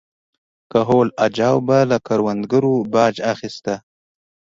کهول اجاو به له کروندګرو باج اخیسته